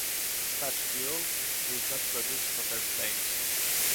Such fuel would not produce hotter flames.